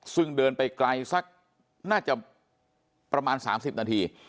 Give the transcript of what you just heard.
ซึ่งเดินไปไกลสักน่าจะประมาณ๓๐นาที